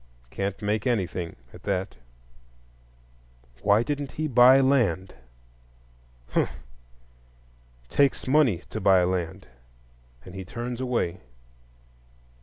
Can't make anything at that. Why didn't he buy land! Humph! Takes money to buy land. And he turns away.